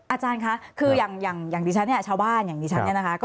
อาจารย์คะคืออย่างดิฉันชาวบ้านอย่างดิฉัน